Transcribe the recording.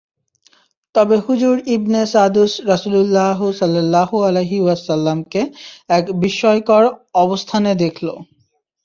তবে যুর ইবনে সাদুস রাসূলুল্লাহ সাল্লাল্লাহু আলাইহি ওয়াসাল্লামকে এক বিস্ময়কর অবস্থানে দেখল।